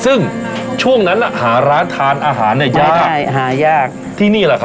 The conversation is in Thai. ซึ่งช่วงนั้นอ่ะหาร้านทานอาหารเนี่ยยากใช่หายากที่นี่แหละครับ